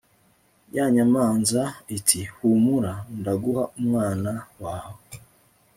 ya nyamanza iti 'humura ndaguha umwana wawe